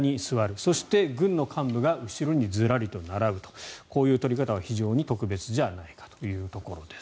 そして、軍の幹部が後ろにずらりと並ぶとこういう撮り方は非常に特別じゃないかというところです。